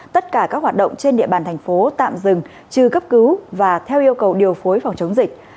tất cả các hoạt động trên địa bàn thành phố tạm dừng trừ cấp cứu và theo yêu cầu điều phối phòng chống dịch